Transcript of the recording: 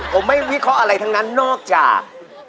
ผมไม่วิเคราะห์อะไรทั้งนั้นนอกจาก